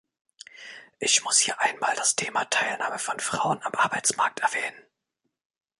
Ich muss hier einmal das Thema Teilnahme von Frauen am Arbeitsmarkt erwähnen.